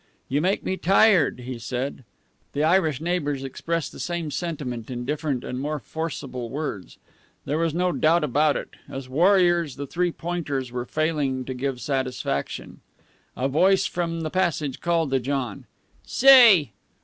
"You make me tired," he said. The Irish neighbors expressed the same sentiment in different and more forcible words. There was no doubt about it as warriors, the Three Pointers were failing to give satisfaction. A voice from the passage called to John. "Say!"